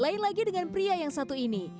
lain lagi dengan pria yang satu ini